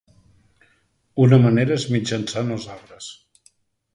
Una manera és mitjançant els arbres.